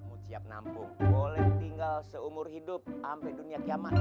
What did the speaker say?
kamu siap nampung boleh tinggal seumur hidup sampai dunia kiamat